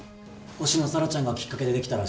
星野沙羅ちゃんがきっかけでできたらしいね。